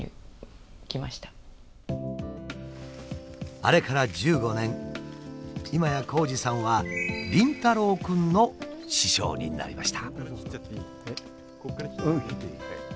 あれから１５年今や紘二さんは凛太郎くんの師匠になりました。